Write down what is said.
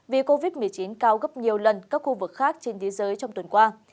vì covid một mươi chín cao gấp nhiều lần các khu vực khác trên thế giới trong tuần qua